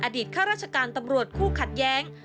ข้าราชการตำรวจคู่ขัดแย้ง